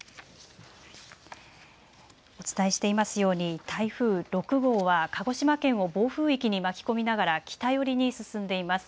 お伝えしていますように台風６号は鹿児島県を暴風域に巻き込みながら北寄りに進んでいます。